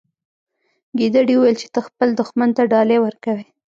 ګیدړې وویل چې ته خپل دښمن ته ډالۍ ورکوي.